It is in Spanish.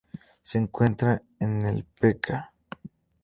Se encuentra en el p.k.